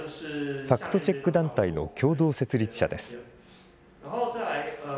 ファクトチェック団体の共同設立者です。